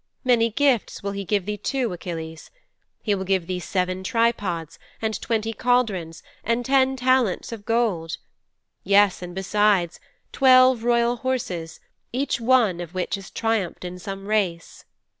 Many gifts will he give thee too, Achilles. He will give thee seven tripods, and twenty cauldrons, and ten talents of gold. Yes, and besides, twelve royal horses, each one of which has triumphed in some race.